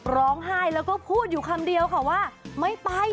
ร้องไห้แล้วก็พูดอยู่คำเดียวค่ะว่าไม่ไป